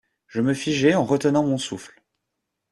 Je me figeai en retenant mon souffle.